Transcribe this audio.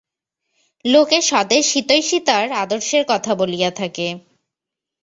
লোকে স্বদেশহিতৈষিতার আদর্শের কথা বলিয়া থাকে।